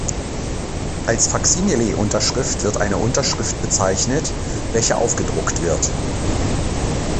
Als Faksimile-Unterschrift wird eine Unterschrift bezeichnet, welche aufgedruckt wird.